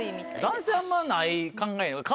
男性あんまない考え。